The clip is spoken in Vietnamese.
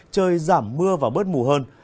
trời giảm mưa và bớt mù hơn